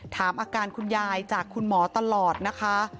ถามอาการคุณยายจากคุณหมอตลอดนะคะ